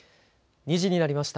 ２時になりました。